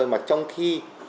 mà trong khi